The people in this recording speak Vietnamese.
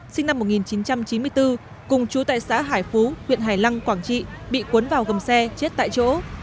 sinh năm một nghìn chín trăm chín mươi bốn cùng chú tại xã hải phú huyện hải lăng quảng trị bị cuốn vào gầm xe chết tại chỗ